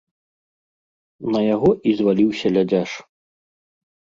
На яго і зваліўся лядзяш.